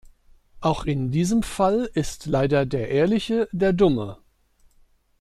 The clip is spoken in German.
Auch in diesem Fall ist leider der Ehrliche der Dumme.